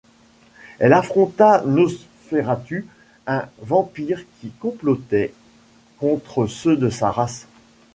Elle affronta Nosferatu, un vampire qui complotait contre ceux de sa race.